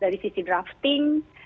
dari sisi drafting